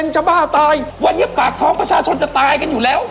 จะบ้าตายวันนี้ปากท้องประชาชนจะตายกันอยู่แล้ว